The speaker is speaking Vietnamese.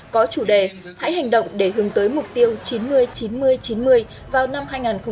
có chủ đề hãy hành động để hướng tới mục tiêu chín mươi chín mươi chín mươi vào năm hai nghìn ba mươi